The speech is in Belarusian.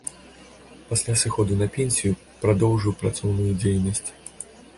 Пасля сыходу на пенсію, прадоўжыў працоўную дзейнасць.